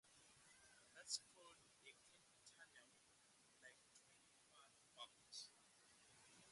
That's called a cat tunnel. Like twenty five bucks.